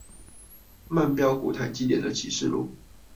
慢飆股台積電的啟示錄